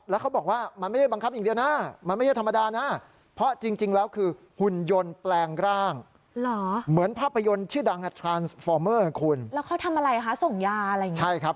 แล้วเขาบอกว่ามันไม่ได้บังคับอย่างเดียวนะ